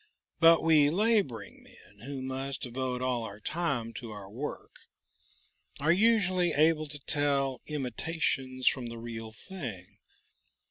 But we laboring men, who must devote all our time to our work, are usually able to tell imitations from the real thing.